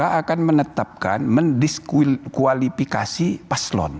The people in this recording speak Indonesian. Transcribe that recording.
apakah mk akan menetapkan mendiskualifikasi paslon